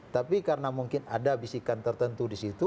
tapi karena mungkin ada bisikan tertentu di situ